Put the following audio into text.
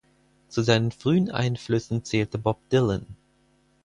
Zu seinen frühen Einflüssen zählte Bob Dylan.